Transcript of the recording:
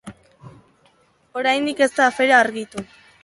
Oraindik ez da afera argitu.